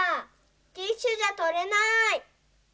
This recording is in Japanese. ティッシュじゃとれない。